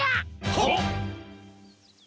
はっ。